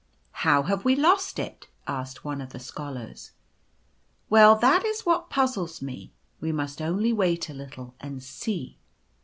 " How have we lost it ?" asked one of the Scholars. " Well, that is what puzzles me. We must only wait a little and see."